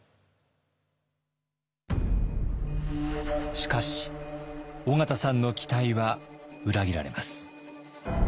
しかし緒方さんの期待は裏切られます。